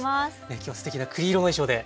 今日はすてきな栗色の衣装で。